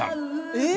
えっ！